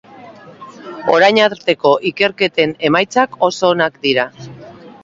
Orain arteko ikerketen emaitzak oso onak dira.